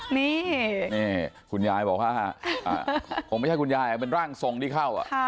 นี่คุณยายบอกว่าคงไม่ใช่คุณยายเป็นร่างทรงที่เข้า